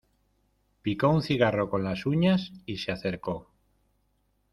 picó un cigarro con las uñas, y se acercó: